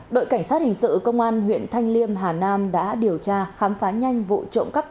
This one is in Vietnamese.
đội cảnh sát hình sự công an huyện thanh liêm hà nam đã điều tra khám phá nhanh vụ trộm cắp